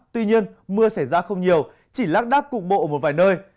tuy nhiên mưa xảy ra không nhiều chỉ lác đác cục bộ một vài nơi